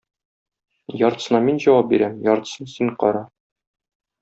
Яртысына мин җавап бирәм, яртысын син кара.